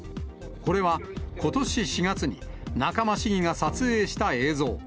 これはことし４月に、仲間市議が撮影した映像。